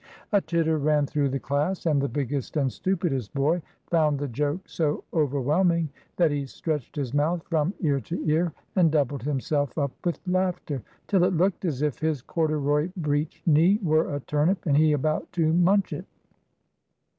A titter ran through the class, and the biggest and stupidest boy found the joke so overwhelming that he stretched his mouth from ear to ear, and doubled himself up with laughter, till it looked as if his corduroy breeched knee were a turnip, and he about to munch it.